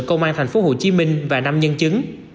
công an tp hcm và năm nhân chứng